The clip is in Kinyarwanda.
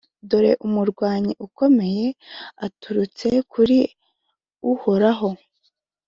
Dore umurwanyi ukomeye, aturutse kuri Uhoraho,